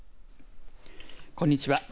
こんにちは。